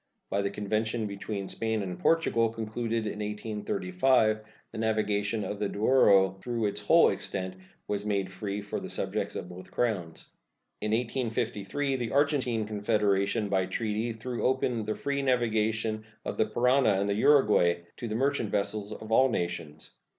By the convention between Spain and Portugal concluded in 1835 the navigation of the Douro throughout its whole extent was made free for the subjects of both Crowns. In 1853 the Argentine Confederation by treaty threw open the free navigation of the Parana and the Uruguay to the merchant vessels of all nations.